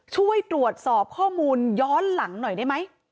ช่วยตรวจสอบข้อมูลย้อนหลังหน่อยได้ไหม